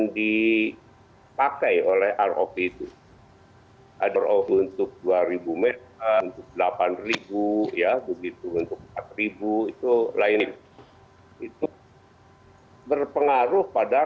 dipakai oleh rop dua ada roh untuk dua ribu m delapan ribu ya begitu ribu itu lainnya itu berpengaruh pada